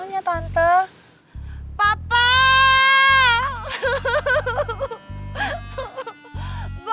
coba lihat otras daripada youtube